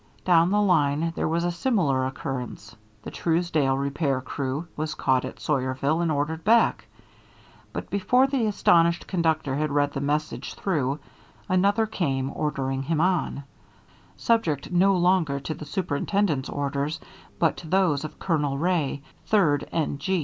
Down the line there was a similar occurrence. The Truesdale repair crew was caught at Sawyerville and ordered back. But before the astonished conductor had read the message through, another came ordering him on, subject no longer to the Superintendent's orders, but to those of Colonel Wray, 3d N.